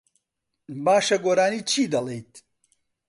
باشە، گۆرانیی چی دەڵێیت؟